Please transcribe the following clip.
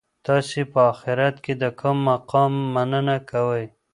تاسي په اخیرت کي د کوم مقام مننه کوئ؟